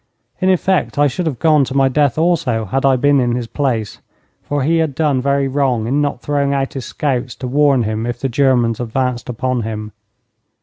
In effect, I should have gone to my death also had I been in his place, for he had done very wrong in not throwing out his scouts to warn him if the Germans advanced upon him.